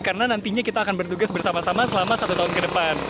karena nantinya kita akan bertugas bersama sama selama satu tahun ke depan